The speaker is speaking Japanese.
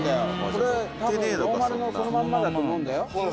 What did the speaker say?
これ、たぶんノーマルのこのまんまだと思うんだよ。